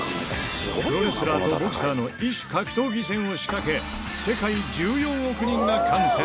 プロレスラーとボクサーの異種格闘技戦を仕掛け、世界１４億人が観戦。